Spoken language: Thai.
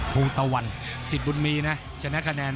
ภูตวรรณสิทธิ์บุญมีน้ำเงิน